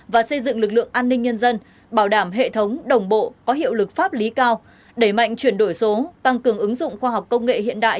và xây dựng lực lượng an ninh nhân dân bảo đảm hệ thống đồng bộ có hiệu lực pháp lý cao đẩy mạnh chuyển đổi số tăng cường ứng dụng khoa học công nghệ hiện đại